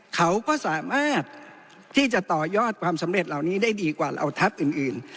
เขาก็สามารถที่จะต่อยอดความสำเร็จเหล่านี้ได้ดีกว่าเหล่าทัพอื่น